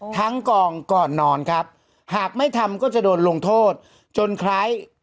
กองก่อนนอนครับหากไม่ทำก็จะโดนลงโทษจนคล้าย